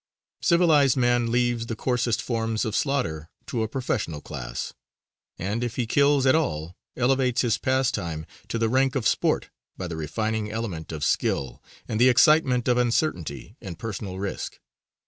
Civilized man leaves the coarsest forms of slaughter to a professional class, and, if he kills at all, elevates his pastime to the rank of sport by the refining element of skill and the excitement of uncertainty and personal risk.